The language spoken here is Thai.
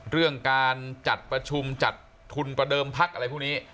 เรื่องการจัดประชุมจัดทุนประเดิมพักอะไรพวกนี้